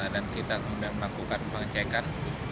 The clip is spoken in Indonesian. dan kita kemudian melakukan pengecekan